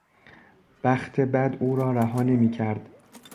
بخت بد او را رها نمیکرد.